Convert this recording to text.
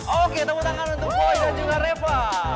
oke tepuk tangan untuk boy dan juga reva